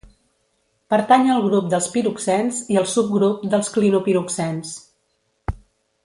Pertany al grup dels piroxens i al subgrup dels clinopiroxens.